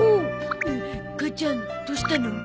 母ちゃんどうしたの？